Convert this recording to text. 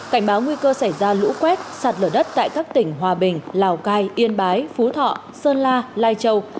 cảnh báo nguy cơ xảy ra lũ quét sạt lở đất tại các tỉnh hòa bình lào cai yên bái phú thọ sơn la lai châu